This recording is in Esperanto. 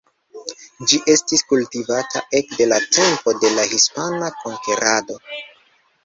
Ĝi estis kultivata ekde la tempo de la hispana konkerado.